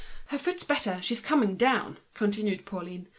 "Her foot's better, she's coming down," continued Pauline.